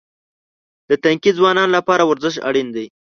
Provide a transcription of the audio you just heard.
د تنکي ځوانانو لپاره ورزش اړین دی.